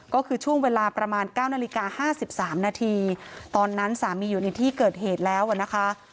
ก็คือช่วงเวลาประมาณ๙นาฬิกา๕๓นาทีตอนนั้นสามีอยู่ในที่เกิดเหตุแล้วนะคะ